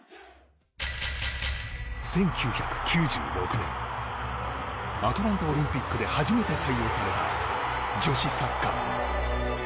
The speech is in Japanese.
１９９６年アトランタオリンピックで初めて採用された女子サッカー。